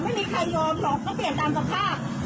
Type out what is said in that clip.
ไม่มีใครยอมหรอกก็เปลี่ยนตามสภาพ